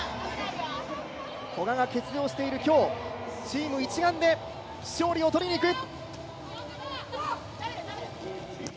古賀が欠場している今日、チーム一丸で勝利を取りに行く！